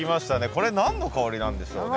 これ何の香りなんでしょうね？